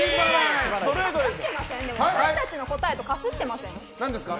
私たちの答えとかすってません？